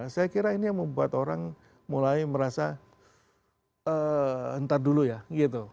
saya kira ini yang membuat orang mulai merasa entar dulu ya gitu